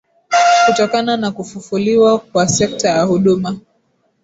kutokana na kufufuliwa kwa sekta ya huduma